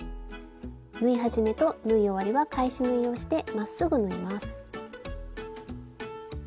縫い始めと縫い終わりは返し縫いをしてまっすぐ縫います。